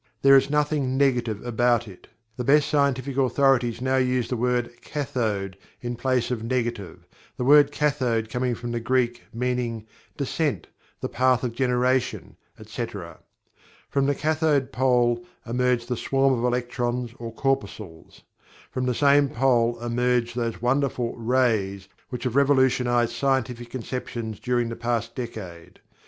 There is nothing "negative" about it. The best scientific authorities now use the word "Cathode" in place of "Negative," the word Cathode coming from the Greek root meaning "descent; the path of generation, etc," From the Cathode pole emerge the swarm of electrons or corpuscles; from the same pole emerge those wonderful "rays" which have revolutionized scientific conceptions during the past decade.